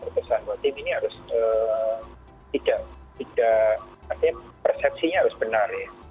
pertesanan tim ini harus tidak artinya persepsinya harus benar